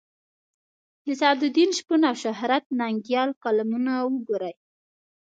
د سعدالدین شپون او شهرت ننګیال کالمونه وګورئ.